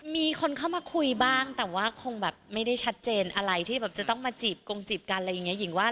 มีคนเข้ามาคุยบ้างแต่ว่าคงแบบไม่ได้ชัดเจนอะไรที่แบบจะต้องมาจีบกงจีบกันอะไรอย่างนี้หญิงว่า